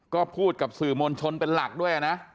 ก็พูดกับสื่อมวลชนเป็นหลักด้วยนะ